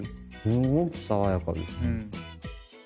すごく爽やかです。